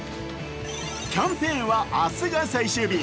キャンペーンは明日が最終日。